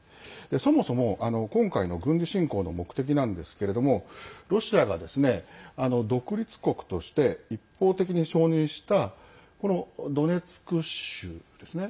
そもそも、今回の軍事侵攻の目的なんですけれどもロシアが独立国として一方的に承認したドネツク州ですね。